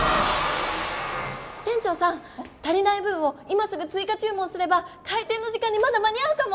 店長さん足りない分を今すぐついかちゅう文すればかい店の時間にまだ間に合うかも！